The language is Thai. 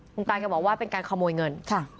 คุณตาแกบอกว่าเป็นการขโมยเงิน